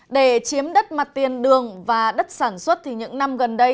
để chiếm đất mặt tiền đường và đất sản xuất thì những năm gần đây